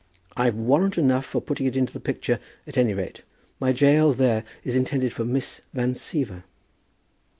"I've warrant enough for putting it into a picture, at any rate. My Jael there is intended for Miss Van Siever."